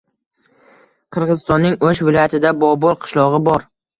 Qirg‘izistonning O‘sh viloyatida Bobul qishlog‘i bor.